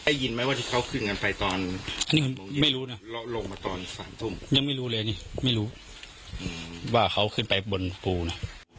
ได้ยินไหมว่าที่เขาขึ้นกันไปตอนนี้ไม่รู้นะเราลงมาตอนสามทุ่มยังไม่รู้เลยนี่ไม่รู้ว่าเขาขึ้นไปบนภูนะ